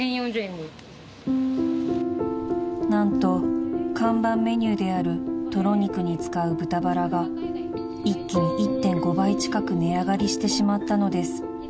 ［何と看板メニューであるとろ肉に使う豚バラが一気に１．５倍近く値上がりしてしまったのです］